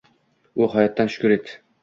U hayotdan... shukur etdi.